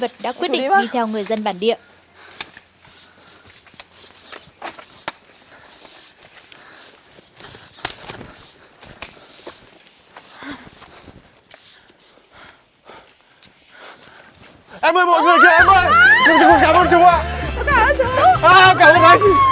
việc đốt khói của hai nhân vật trải nghiệm